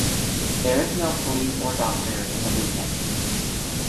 There is no police or doctor in the weekends.